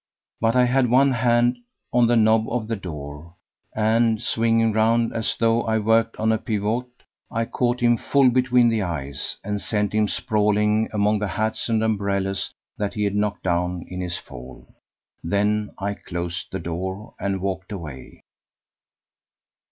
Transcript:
But I had one hand on the knob of the door, and, swinging round as though I worked on a pivot, I caught him full between the eyes, and sent him sprawling among the hats and umbrellas that he had knocked down in his fall. Then I closed the door, and walked away.